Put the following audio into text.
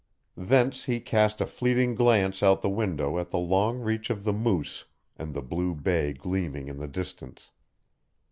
Thence he cast a fleeting glance out the window at the long reach of the Moose and the blue bay gleaming in the distance.